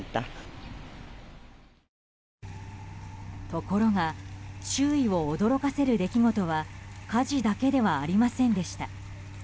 ところが周囲を驚かせる出来事は火事だけではありませんでした。